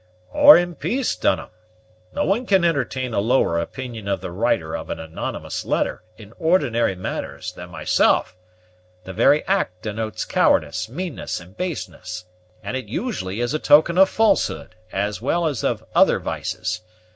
"Or in peace, Dunham. No one can entertain a lower opinion of the writer of an anonymous letter, in ordinary matters, than myself; the very act denotes cowardice, meanness, and baseness; and it usually is a token of falsehood, as well as of other vices.